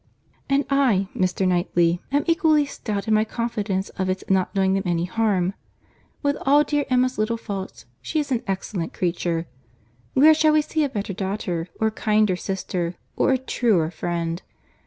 "And I, Mr. Knightley, am equally stout in my confidence of its not doing them any harm. With all dear Emma's little faults, she is an excellent creature. Where shall we see a better daughter, or a kinder sister, or a truer friend?